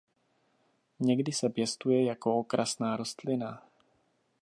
Někdy se pěstuje jako okrasná rostlina.